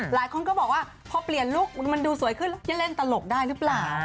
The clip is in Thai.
หลายคนก็บอกว่าพอเปลี่ยนลุคมันดูสวยขึ้นแล้วจะเล่นตลกได้หรือเปล่า